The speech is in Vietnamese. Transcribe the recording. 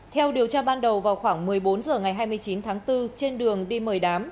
theo điều tra ban đầu vào khoảng một mươi bốn h ngày hai mươi chín tháng bốn trên đường đi mời đám